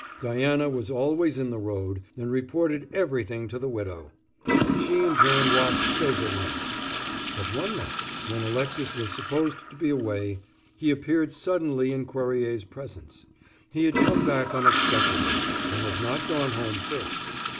Diana was always in the road, and reported everything to the widow; she, in turn, watched Césarine. But one night, when Alexis was supposed to be away, he appeared suddenly in Cuerrier's presence. He had come back unexpectedly, and had not gone home first.